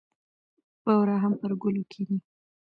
بورا هم پر ګلو کېني.